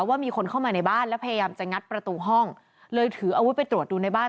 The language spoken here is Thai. ว่ามีคนเข้ามาในบ้านแล้วพยายามจะงัดประตูห้องเลยถืออาวุธไปตรวจดูในบ้าน